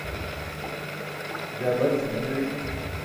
Jaa barći meybay.